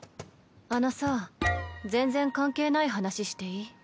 あのさ全然関係ない話していい？